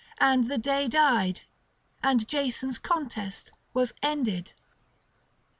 And the day died, and Jason's contest was ended.